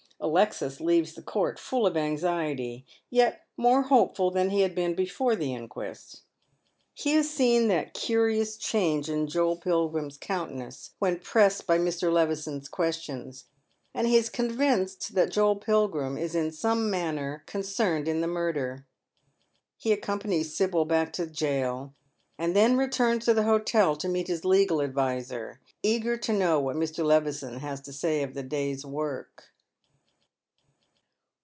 Alexis leaves the court full of anxiety, yet more hopeful than he had been before the inquest. He has seen that curious cliango in Joel Pilgrim's countenance when pressed by Mr. Levison's questions, and he is convinced that Joel Pilgrim is in somo manner concerned in the murder. He accompanies Sibyl back io the jail, and then returns to the hotel to meet his legal adviser, eager to know what Mi . iieviHon has to say of the day's work.